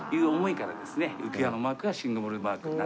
浮輪のマークがシンボルマークになって。